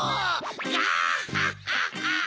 ガッハッハッハ！